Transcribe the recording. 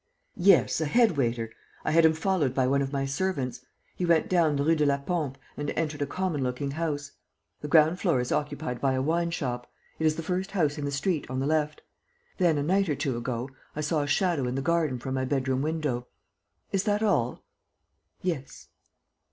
"Yes, a head waiter. I had him followed by one of my servants. He went down the Rue de la Pompe and entered a common looking house. The ground floor is occupied by a wine shop: it is the first house in the street, on the left. Then, a night or two ago, I saw a shadow in the garden from my bedroom window." "Is that all?" "Yes."